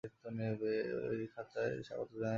এই খাঁচায় স্বাগত জানাই তোমাকে।